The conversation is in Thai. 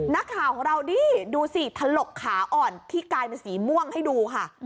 นักข่าวของเรานี่ดูสิถลกขาอ่อนที่กลายเป็นสีม่วงให้ดูค่ะ